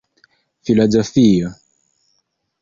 filozofio